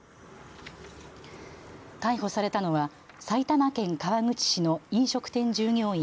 逮捕されたのは埼玉県川口市の飲食店従業員